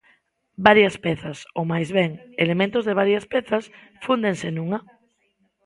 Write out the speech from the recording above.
Varias pezas, ou máis ben elementos de varias pezas, fúndense nunha.